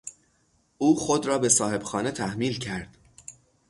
او خود را به صاحبخانه تحمیل کرد.